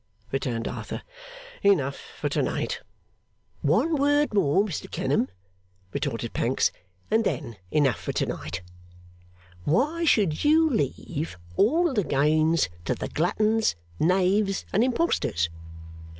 returned Arthur. 'Enough for to night.' 'One word more, Mr Clennam,' retorted Pancks, 'and then enough for to night. Why should you leave all the gains to the gluttons, knaves, and impostors?